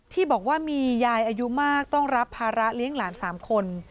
ที่บอกว่ามียายอายุมากต้องรับภาระเลี้ยงหลาน๓คน